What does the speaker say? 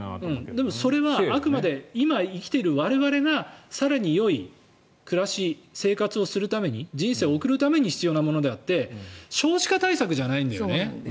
でも、そこはあくまで今、生きてる我々が更によい暮らし生活をするために人生を送るために必要なものであって少子化対策じゃないんだよね。